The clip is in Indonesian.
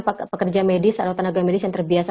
pekerja medis atau tenaga medis yang terbiasa